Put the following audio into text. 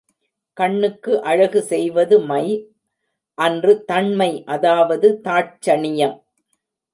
கண்ணுக்கு அழகு செய்வது மை அன்று தண்மை அதாவது தாட்சணியம்.